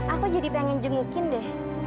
aku jadi pengen jengukin deh